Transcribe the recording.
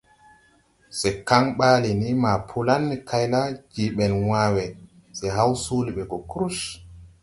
Se kaŋ ɓaale ne mapo la ne kay la, jee ɓɛn wãã we, se haw soole ɓe gɔ krus.